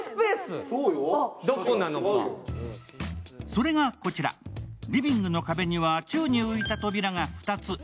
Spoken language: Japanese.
それがこちら、リビングの壁には宙に浮いた扉が２つ。